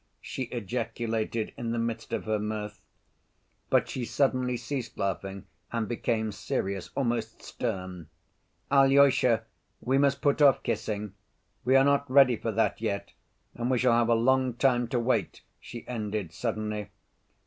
she ejaculated in the midst of her mirth. But she suddenly ceased laughing and became serious, almost stern. "Alyosha, we must put off kissing. We are not ready for that yet, and we shall have a long time to wait," she ended suddenly.